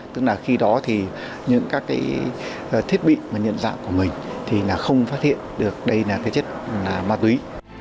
tức là khi đó thì những các cái thiết bị mà nhận dạng của mình thì là không phát hiện được đây là cái chất ma túy